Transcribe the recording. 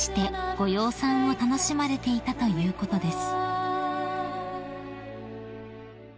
ご養蚕を楽しまれていたということです］